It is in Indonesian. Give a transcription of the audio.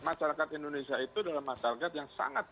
masyarakat indonesia itu adalah masyarakat yang sangat